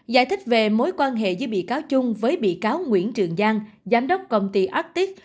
giải thích về mối quan hệ giữa bị cáo chung với bị cáo nguyễn trường giang giám đốc công ty attic